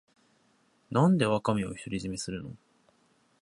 なんでワカメを独り占めするの